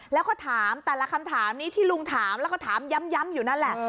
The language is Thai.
แล้วก็ถามแต่ละคำถามนี้ที่ลุงถามแล้วก็ถามย้ำอยู่นั่นแหละ